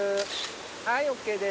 はいＯＫです。